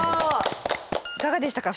いかがでしたか？